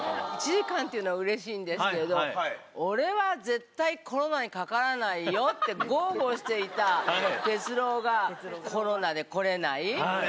１時間っていうのはうれしいんですけど「俺は絶対コロナにかからないよ」って豪語していた哲朗がコロナで来れない。